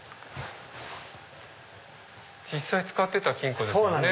実際使ってた金庫ですもんね。